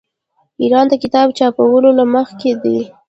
ایران د کتاب چاپولو کې مخکې دی.